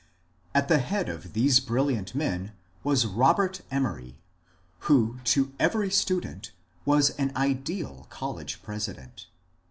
At the head of these brilliant men was Robert Emory, who to every student was an ideal college president.